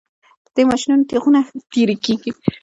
د دې ماشینونو تیغونه ښه تیره کیږي